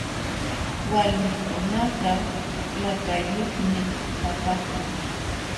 Walmikunakaq lakayuqmi kapaakun.